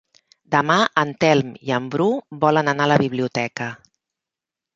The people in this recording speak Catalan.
Demà en Telm i en Bru volen anar a la biblioteca.